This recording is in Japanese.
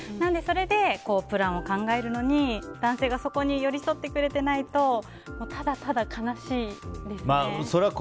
それでプランを考えるのに男性がそこに寄り添ってくれてないとただただ悲しいですね。